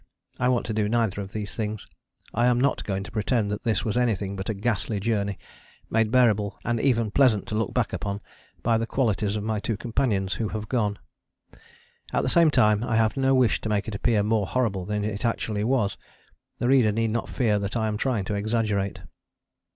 I want to do neither of these things. I am not going to pretend that this was anything but a ghastly journey, made bearable and even pleasant to look back upon by the qualities of my two companions who have gone. At the same time I have no wish to make it appear more horrible than it actually was: the reader need not fear that I am trying to exaggerate.